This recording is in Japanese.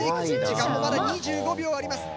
時間もまだ２５秒あります。